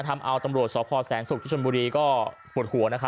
ทำอาวตำรวจศพแสงสุกที่ชนบุดีก็ปวดหัวนะครับ